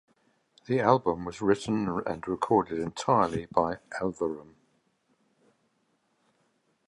The album was written and recorded entirely by Elverum.